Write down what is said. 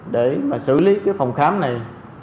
để mà xử lý cái phòng khám này